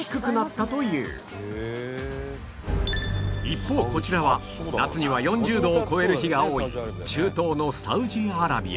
一方こちらは夏には４０度を超える日が多い中東のサウジアラビア